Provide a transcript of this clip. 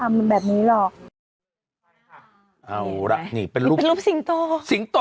กล้วยทอด๒๐๓๐บาท